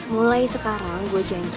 mulai sekarang gue janji